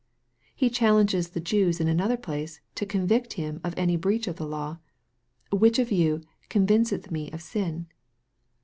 He challenges the Jews in another place to convict him ol any breach of the law: "which of you convinceth me of sin?"